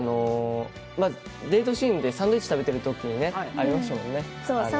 まず、デートシーンでサンドイッチ食べているときにありましたよね。